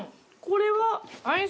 これは。